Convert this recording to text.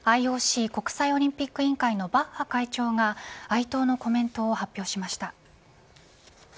ＩＯＣ国際オリンピック委員会のバッハ会長が哀悼のコメントを発表しました。